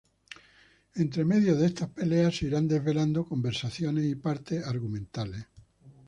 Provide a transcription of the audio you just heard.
Entre medio de estas peleas se irán desvelando conversaciones y partes argumentales.